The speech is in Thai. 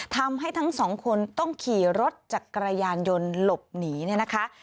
ทำให้ทั้งสองคนต้องขี่รถจักรยานยนต์หลบหนีเนี่ยนะคะ